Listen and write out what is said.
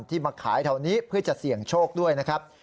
มาขายแถวนี้เพื่อจะเสี่ยงโชคด้วยนะครับ